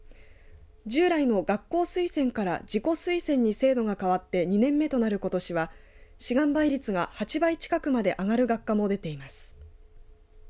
従来の学校推薦から自己推薦に制度が変わって２年目となることしは志願倍率が８倍近くまで上がる学科も出てきています。